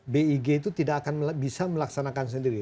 big itu tidak akan bisa melaksanakan sendiri